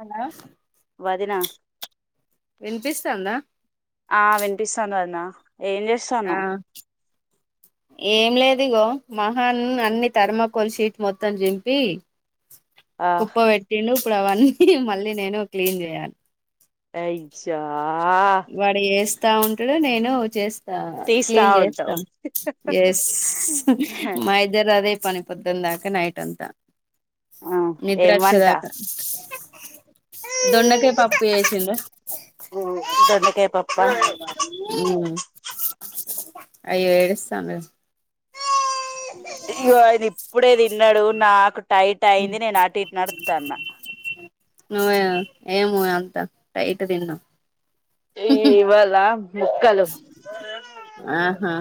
Hello వదినా వినిపిస్తాందా ఆ వినిపిస్తాంద వదిన ఏం ఆ చేస్తానావు ఏం లేదు ఇగో మహాన్ అన్ని థర్మాకోల్ షీట్ మొత్తం చింపి ఆ కుప్ప వెట్టిండు ఇప్పుడు అవన్నీ మళ్ళీ నేను క్లీన్ చేయాలి అయిచా వాడే ఏస్ స్తా ఉంటడు నేను చేస్ తీస్తా క్లీన్ ఉంటావు చేస్తాం ఎస్ మా ఇద్దరు అదే పని పద్ద్దందాక నైట్ అంత ఆ ఏం నిద్రాచ్చే వంట దాకా దొండకాయ పప్పు చేసిండ్రు దొండకాయ పప్పా ఉమ్ అయ్యో ఏడుస్తాండు ఇయ్యో వాడ ఇప్పుడే తిన్నాడు నాకు టైట్ అయింది నే నాటి ఇట్ నడతా అన్న నువేవ్ ఏవొ అంత టైట్ తిన్ను ఈ ఇవాల ఆహా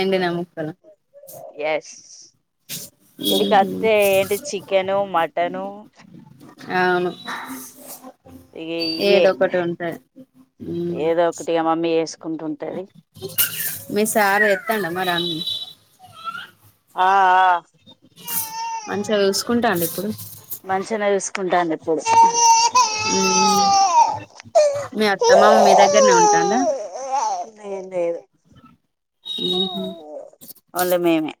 ఎండిన ముక్కలు ఇడికత్తె ఏంటి చిక్కెను, మటను ఆవును ఇగ ఇయ్యె ఏదో ఒకటి ఉంటది ఉమ్ ఏదో ఒకటిగా మమ్మీ ఎస్ కుంటుంటది. మి సార ఎత్తాండ మరన్ని ఆఆ మంచిగ చూసుకుంటాండ ఇప్పుడు మన్షనే చుస్ హు, మీ అత్తమ్మామ మీ దగ్గర్నే ఉంటాంద. న్నేన్ లేదు. ఉహు ఓన్లి మేమే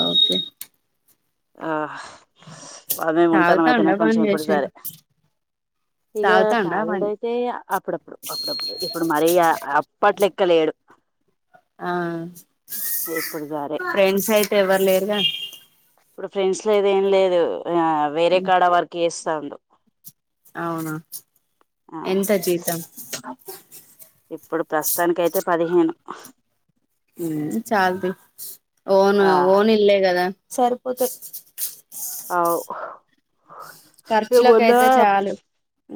ఓకే ఆ బానే ఉంటనం తాగుతాండా అయితేనేమ్ కొంచెం బంద్ ఇప్పుడు సరే, చేసిండా ఇగ తాగుతాండా బంద్ తాగుడైతే ఇగ అప్పుడప్పుడు, అప్పుడప్పుడు ఇప్పుడు మరీయ అప్పట్లెక్కలేడు. ఆ, ఇప్పుడు సరే ఫ్రెండ్స్ ఐతే ఎవర్ లే ఇగ ఇప్పుడు ఫ్రెంన్స్ లేదు ఏం లేదు ఆ వేరే కాడ వర్క్ ఎస్సాండు. అవునా, ఆ ఎంత జీతం. ఇప్పుడు ప్రస్సుతానికైతే పదిహేను ఆహ హు చాల్ తి ఓను, ఆ ఓన్ ఇల్లే గదా. సరిపోతె అవ్ రే ఒల్లా, ఖర్చులకయితే చాలు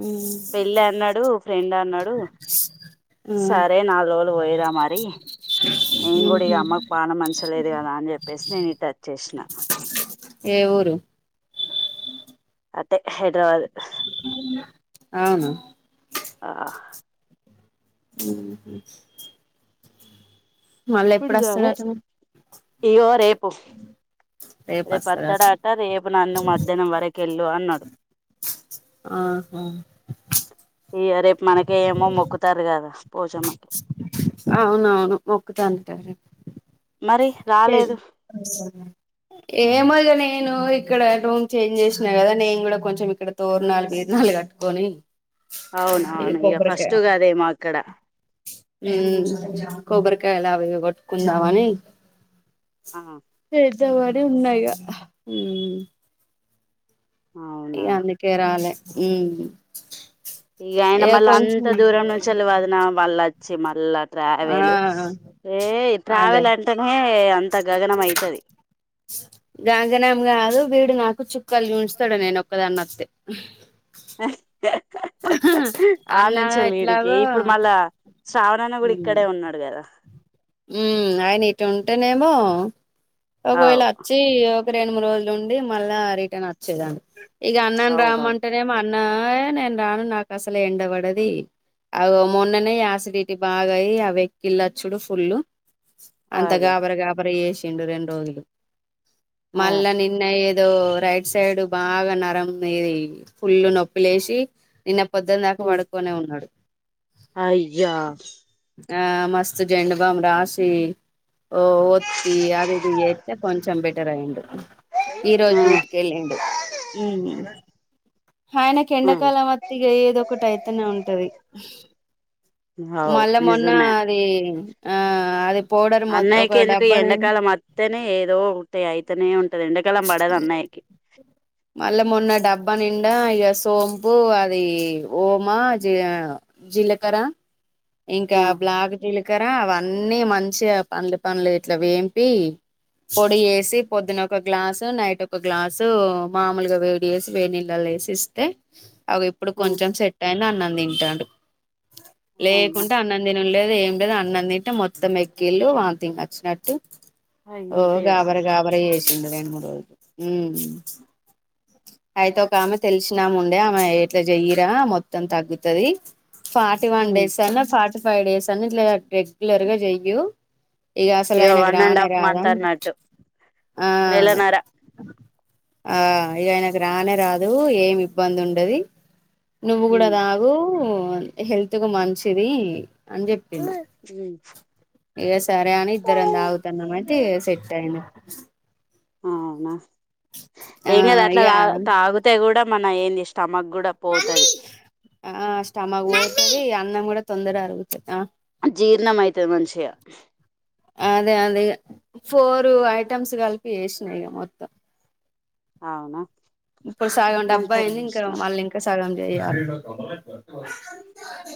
ఉమ్ పెళ్ళి అన్నాడు, ఫ్రెండ్ అన్నాడు. ఆ సరే నా రోల్ పోయిరా మరి, నేన్ కూడా ఇగ ఉహు అమ్మక్ పానం మంచిగ లేదు కదా అని చెప్పేసి, నేను ఇటొచ్చేస్న ఏ ఊరు అటే, హైడ్రబాదు అవును ఆ [unintelligible] మళ్ళీ ప్పుడు ఎప్పుడు వస్తాడట మరి అయ్యో రేపు రేపు అత్తడాట రేపు నన్ను మధ్యాహ్నం వరకు వెళ్ళు అన్నాడు. [unintelligible] ఆహ ఈ రేపు మనకేమో మొక్కుతారు కదా. పోచమ్మకి అవును అవును మొక్కుత అం టనే మరి రాలేదు [unintelligible] ఏమదునే నేను ఇక్కడ రూమ్ చేంజ్ చేసినా కదా. నేను కూడా కొంచెం ఇక్కడ తోరునాలు బిర్నాలు కట్టుకొని. అవున ఇది అవును ఇక కొబ్బరికాయ ఫస్ట్ గదేమో అక్కడ ఊ కొబ్బరికాయలా అవి కొట్టుకుందామని ఆ చేద్దామని ఉన్నాయిగా ఊ అవునా ఇగ అందు కే రాలే ఊ ఈక ఆయన మళ్ళీ అంత దూరం ను చలివాదన వాళ్ళ చ్చ మల్లట్ ఆ ట్రావెలు ఏ అదే ట్రావెల్ అంటేనే అంత గగనం అయితది. [unintelligible] కలి చ ఉంచుతాడు నేను ఒక్కదాని అస్తే [inaudible] ఆ ఊహ్హ్హ్ అన్నా నుంచెల్లి ఈడికి ఎట్లాగో ఇప్పుడు మళ్ళా శ్రావణన్న కూడా ఇక్కడే ఉన్నాడు కదా ఊ అయన ఇటు ఉంటేనేమో ఆ ఒకవేళ అవు అచ్చి రెండు మూడు రోజులు నుండి మళ్ళా రిటర్న్ వచ్చేదాన్ని ఇక అన్నని అవునవును రామ్ంటేనే అన్న నేను రాను నాకు అసలే ఎండబడది. అగో మొన్ననే యాసిడిటీ బాగాయి ఆ వెక్కిళచ్చుడు ఫుల్ అంత అదే గాబర గాబర ఏసి రెండు రెండు రోజులు ఆ మళ్ళ నిన్న ఏ ఏదో రైట్ సైడ్ బాగా నరం ఇది ఫుల్ నొప్పి లేసి నిన్న పొద్దున దాకా పడుకొనే ఉన్నాడు. అయ్యా ఆ మస్త జండు బమ్ రాసి ఓ ఒత్తి అది ఇది యితే కొంచంబెట్. ఇంటర్ అయ్యిండు ఈ ఆ రోజు డూటికెళ్ళిండు మ్ ఆయనకి ఆ ఎండ మ మతిగా ఏదొ ఒకటి అయితెనే ఉంటది అవు మళ్ళా మొన్నా నిజమే అదీ ఆ అది పౌడర్ మొ ఒక అన్నయ్యకి ఎందుకు ఈ డబ్బా నిండా ఎండకాల మత్తనే ఏదో ఒకటి అయితనే ఉంట ది ఎండకాలాం పడదు అన్నయకి మళ్ళ మొన్న డబ్బా నిండా ఇక సోంపు అది ఓమా జ జీలకరా ఇంకా ఆ బ్లాక్ జీలకర్ర అవన్నీ మంచిగా పండ్ల పండ్లు ఇట్లా వేంపి పొడి వేసి పొద్దున ఒక గ్లాసు నైట్ ఒక గ్లాసు మామూలుగా వేడి వేసి వేడి నీళ్లలో వేసిఇస్తే అవి ఇప్పుడు ఆ కొంచెం సెట్ అయింది అన్నం తింటాడు అవునా లేకుంటే అన్నం తినుడులేదు ఏం అన్నం తింటే మొత్తం ఎకిళ్ళలు వాంతింగ్ వచ్చినట్టు ఓ అయ్యో దేవా గాబర గాబరచేస్ ఇంక, రెండుమూడు రోజులు అయితే ఒక ఆమె తెలిసినాము ఉండే ఆమె ఎట్లా చెయ్యరా మొత్తం తగ్గుతది ఫార్టీ వన్ ఉమ్ డేస్ అను ఫ ఫైవ్ డేస్ అన్నీఇట్లా రెగ్యులర్గా చెయ్యూ ఇక అసలు ఇగ ఆయనకు వన్ అండ్ రానే హాఫ్ రాదా మంత్ అన్నట్టు ఆ..... నెలన్నర ఆ ఇక ఆయనకు రానే రాదు ఏమి ఇబ్బంది ఉండది నువ్వు కూడా ఉమ్ దాగు హెల్త్ కు మంచిది అని చెప్పింది ఉమ్ ఏస్ సరే అని ఇద్దరం తాగుతున్నామంటె సెట్ అయింది అ అవునా ఆ ఏం కాదు అట్లా ఇగ తా తాగుతే గూడా మన ఏంచెషిన్ ఆ స్టమక్ పోతది అన్నం కూడా తొందర ఆరుగు జీర్ణమైతది మంచిగా అదే అదే ఫోర్ ఐటమ్స్ కలిపి చేసిన ఇక మొత్తం అవునా ఇప్పుడు సగం డబ్బా మంచిగనే అయింది ఇంకా చేసినవ్ మళ్ళీ ఇంకా స సగం చెయాలి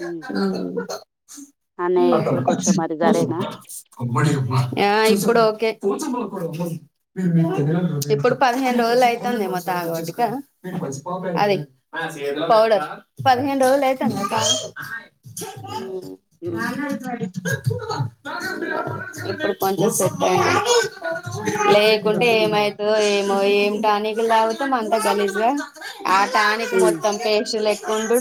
ఉమ్ అన్నయ్య ఇప్పుడు కొంచెం మరి హు సరేనా ఆ ఇప్పుడు ఓకే ఆ [unintelligible] ఇప్పుడు పదిహెను రోజులు అవుతుంది ఏమో తాగబట్టి అది పౌడర్ పదిహేను రోజులు అయితు ఉమ్ నాలుగు రోజులు అడి ఇప్పుడు కొంచం సెట్ అయింది లేకుంటే సరేనా? ఏమయతదో ఏమో ఏం టానిక్ తాగుతూ మొత్తం అంత గలీజగా ఆ టానిక్ ఉమ్ మొత్తం పెస్టులే ఉండు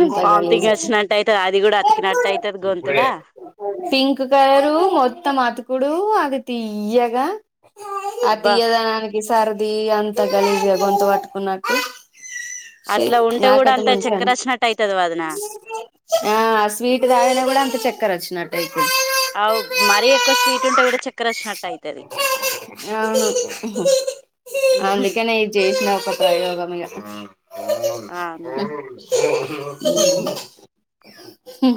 అంతా వామిటింగ్ గలీజు వచ్చినట్టు అయితది అది కూడా అతికినట్టు అయితది గొంతులా పింక్ కలరు మొత్త ఆతుకుడు అది తియ్యగా అ అబ్బా తియ్యగా సర్ది అంత గాలీజు గా గొంతు పట్టుకున్నట్లు అట్లా స్వీట్ ఉంటే కూడా నాకైతే అంత మంచి చక్కెర అని వచ్చినట్టు అయితది వదిన ఆ ఆ స్వీట్ దాగనే కూడా అంత చక్కర వచ్చిన ఆ మరీ ఎక్కువ స్వీట్ ఉంటే కూడా చక్కర వచ్చినట్టు అయితది అ అందుకనే ఈ జ ఒక ప్రయోగము ఇగ హు అవును హు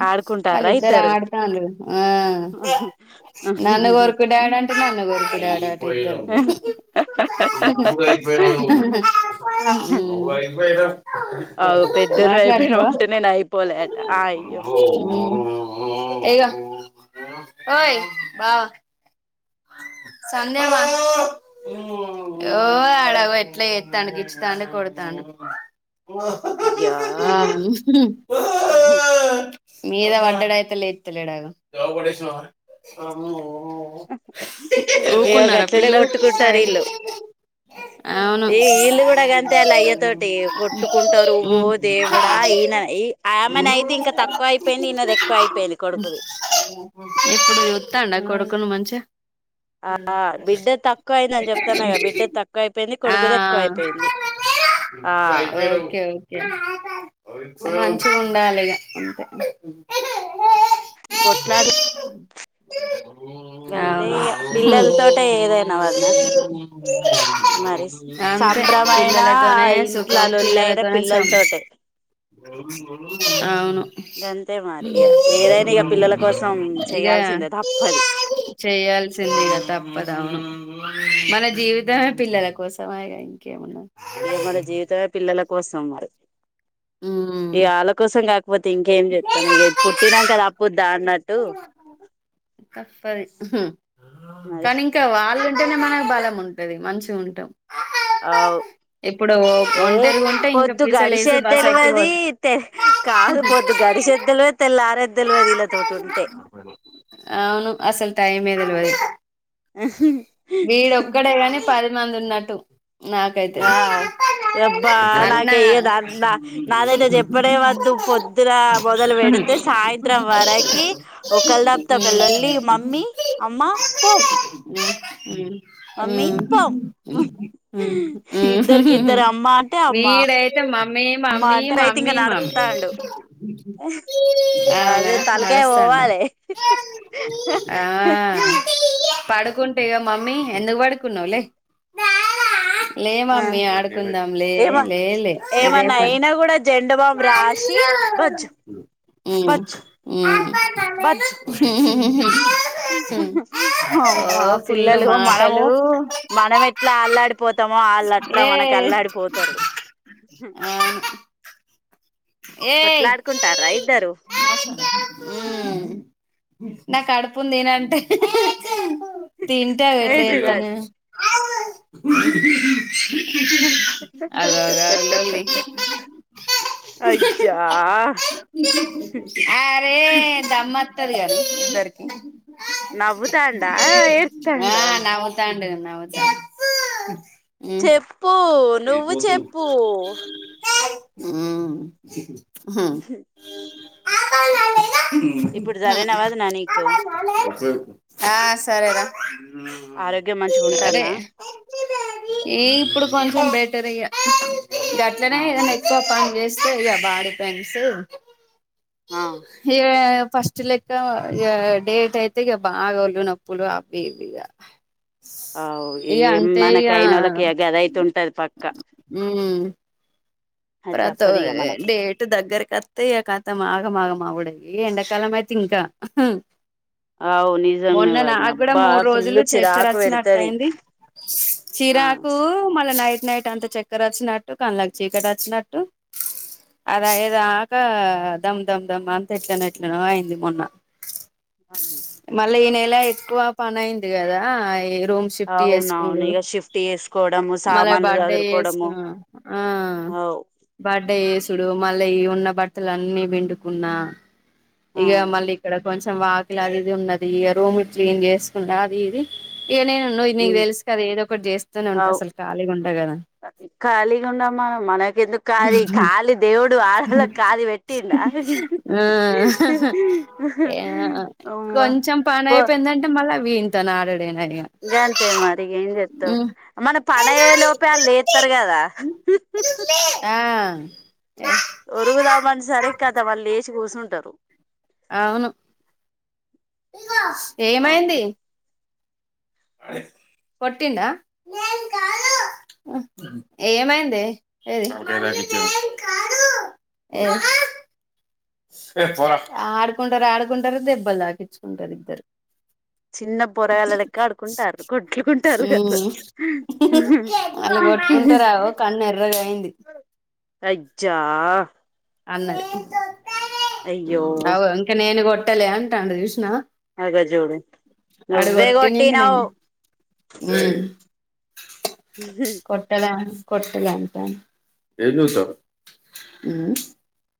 ఆడుకుంటారా వాళ్ళిద్దరు ఇద్దరు ఆడతండ్రు ఆ నన్ను కొరకు డాడి అంటే నన్ను కొరకు డా పోయి అవు పెద్దోళ్ళు మాట్లాడుతవ అయిపోయినవంటే నేను అయిపోలే అట అయ్యో హు ఇగో ఓయ్ బావ సంధ్య మా ఓ అడగ ఎట్లా చెత్తండు గిచ్చుతాండు కొడతండూ అయ్యా హు మీద పడ్డాడు అయితే లెత్త లేడు ఏవో ఊకున్నారా గట్లనే పిల్లలు కొట్టుకుంటారు వీళ్ళు అవును ఈ వీళ్ళు కూడా గంతే ఆళ్ళ అయ్య తోటి కొట్టుకుంటారు ఓ దేవుడా ఈయన ఈ ఆమెనయితే ఇంకా తక్కువ అయిపోయింది ఈయనది ఎక్కువ అయిపోయింది కొడుకుది ఇప్పుడు చుత్తండు నా కొడుకు మంచిగా ఆ బిడ్డ తక్కువ అయిందని చెప్తాన్నా కదా బిడ్డ తక్కువ అయిపోయింది ఆ కొడుకుది ఎక్కువ ఆ అయిపోయింది ఆ ఒకే ఒకే మంచిగా ఉండాలిగా అంతే కొట్లాడు [inaudible] గంతే అవును ఇగ పిల్లల తోటె ఏదైనా వదిన మరి అంతే సంభ్రమైనా పిల్లలతోనే ఇంట్ల సుఖం లొల్లయినా పిల్లలతోనే సమి పిల్లలతోటే అవును గంతే మరి ఇగ ఏదైనా ఇగ పిల్లల కోసం ఇగా చేయాల్సిందే తప్పది ల్సిందిగాద తప్పదవు మన జీవితమే పిల్లల కోసంగా ఇంకేమున్నా ఏమన జీవితమే పిల్లల కోసం వ ఉమ్ ఇ వాళ్ళ కోసం కాకపోతే ఇంకేం చెప్తాను ఇక పుట్టినాం కదా అపో దా అన్నట్టు తప్పది మరి కానీ ఇంకా వాళ్ళ అంటేనే మనకు బలం ఉంటది మంచిగా ఉంటాం అవు ఇప్పుడు ఏ ఒంటరిగా ఉంటే ఇంకా పొద్దు పీసలు వేసి బస్ గడిచద్దలువ అది ఎక్కిపోతాం తె కాదు పొద్దు గడిచేద్దలువ తెల్లార అవును అసలు టైం ఏద లేవదు వీడు ఒక్కడే కాని పది మందిన్నట్టు ఆ ఎబ్బా అన్న నాక ఇయ్యదా నా నాదైతే చెప్పడే వద్దు పొద్దున మొదలు పెడితే సాయంత్రం చిత్రం వరకి ఒకళ దాబ్తో కళళ్ళలి మమ్మీ అమ్మ పోం పో మమ్మీ పోం ఇద్దరికి ఇద్దరు అమ్మ అంటే అమ్మ వీడయితే మమ్మీ అమ్మ మమ్మీ అంటే అయితే ఇంక మమ్మీ మమ్మీ నడుపుతాండు అవునా అదే తలకాయ నడుస్తాండా పోవాలే ఆ పడుకుంటే క మమ్మీ ఎందుకు పడుకున్నావు లే లే ఆ మమ్మీ ఆడుకుందాం లే ఏమ లే లే ఇదే ఏమన్నా పని అయినా కూడా జెండు బామ్ రాశి బజ్జ్ బజ్జు ఓ అమ్మా ఫుల్లు పిల్లలు మనము మాటలు మనం ఎట్లా అల్లాడిపోతామో వాళ్ళు అట్లా ఏ మనకు అల్లాడిపోతారు ఆ ఏయ్ కొట్లాడుకుంటారా ఇద్దరు నా కడుపుందిేనంటే తింట వట్ ఎత్తను ఏంటిదండి [inaudible] అగో అగో అగో లొల్లి అయ్యాా ారు అారు ఇద్దరికి నవ్వుతండ ఏడుస్తండ చెప్పు చెప్పు నువ్వు చెప్పూ హుం హ్మ్ హ్మ్ ఇప్పుడు సరైన వదినా నీకు ఆ సరేరా ఆరోగ్యం మంచిగా అరే ఉంటుందా ఈ ఇప్పుడు కొంచం బేటరే ఇగ గట్లనే అవును ఏదైనా ఎక్కువ పని జేస్ స్తాది ఇగా బాడీపేన్స్ ఆ హీమె ఫస్ట్ లెక్క ఇగ డేట్ అయితే ఇగ బాగా ఒళ్ళు నొప్పులు అవి ఇవిగా ఆవ్ ఏమ్ మనకైయినోళ్ళకి గదై తుంటది పక్క మ్మ్ అది ప్రతో తప్పదు ఇక మనకి డేట్ దగ్గరీ కత్తె ఇగ కతం ఆగమాగమవుడె ఇగ ఎండకాలం అయితే ఇంకా అహ్హ్ అవు నిజమే మొన్న వదిన నాకు కూడా అబ్బా మూడు రోజులు ఫుల్ చిరాకు చెక్కరచ్చినట్టు పెడతది అయింది, ఆ చీరాకు మళ్ళ నైట్ నైట్ అంత చెక్కెర వచ్చినట్టు కళ్లకి చీకట వచ్చినట్టు అదీ అయేదాకా దమ్ దమ్ దమ్ అంత ఎట్లనొ ఎట్లనో అయింది మొన్న. మళ్ళీ ఈనే ల్లే ఎక్కువ పని అయింది కదాయే రూమ్ షిఫ్ట్ అవునవును చేసుకునుడు ఇక షిఫ్ట్ చేసుకోవడము మళ్ళ సామాన్లు బర్డే చదురుకోవడము చేసుకున్నా ఆ, అవు బర్డే యేసు డు మళ్ళీ ఈ ఉన్న బట్టలన్నీ పిండుకున్నా ఆ ఇగ మళ్ళీ ఇక్కడ కొంచెం వాకిలి అది ఇది ఉన్నది రూమ్ క్లీన్ చేసుకుంటా అది ఇది ఇక నేను నువ్వు నీకు మ్ తెలుసు కదా ఏదో ఒకటి చేస్తూనే ఉంటా అవ్ అసలు ఖాళీగా ఉండ కదా ఖాళీ ఉండం మనం మనకెందుకు ఖాళీ ఖాళీ దేవుడు ఆడళ్ళకి ఖాళీ వెట్టిండా. అమ్మ కొంచెం పని పో అయిపోయిందంటే మ లా వీనితోని ఆడుడెనే గంతే మరి ఏం చేత్తవ్ మన పనయ్యేలోపే వాళ్ళు లేత్తరు గదా, ఎ ఓరుగుదామని సరి కదా వాళ్ళు లేచి కుసుంటారు అవును అమ్మ ఏమైంది కొట్టిండా ఏమైందే ఏ ఏది ఆడుకుంటరు ఆడుకుంటరు దెబ్బలు తాకించుకుంటారు ఇద్దరు చిన్న పొరగల్లా లెక్క ఆడుకుంటారు కొట్లుకుంటారు గట్ల ఉహు వాళ్ళు ఉహు కొట్టుకుంటారావో కన్ను ఎర్రగా అయింది అయ్యిజ్జా అన్నది అయ్యో అవు ఇంక నేను కొట్ కోట్టలే అంటాండు చూసినవ అగో జూడు నువ్వే కొట్టినంక కొట్టిన్నావ్ నేను కొట్టలే కొట్టలే అంటాండు ఉ